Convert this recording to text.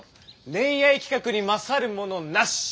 恋愛企画に勝るものなし！